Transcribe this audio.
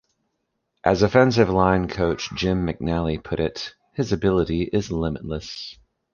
As offensive line coach Jim McNally put it, His ability is limitless.